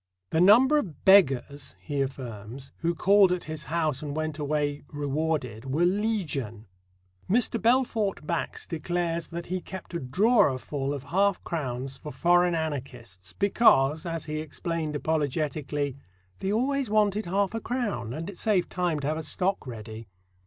"The number of 'beggars,'" he affirms, "who called at his house and went away rewarded were legion." Mr. Belfort Bax declares that he kept a drawerful of half crowns for foreign anarchists, because, as he explained apologetically: "They always wanted half a crown, and it saved time to have a stock ready."